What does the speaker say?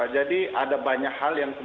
jadi ada banyak hal yang terjadi